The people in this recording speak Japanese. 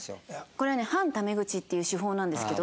これはね「半タメ口」っていう手法なんですけど。